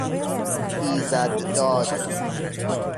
ایزدداد